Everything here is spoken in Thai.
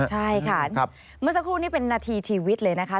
ใช่ค่ะเมื่อสักครู่นี้เป็นนาทีชีวิตเลยนะคะ